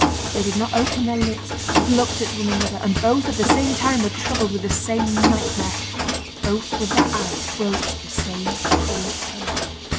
They did not open their lips, but looked at one another, and both at the same time were troubled with the same nightmare, both with their eyes broached the same cruel tale.